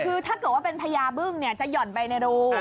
คือถ้าเกิดว่าเป็นพญาบึ้งจะหย่อนไปในรู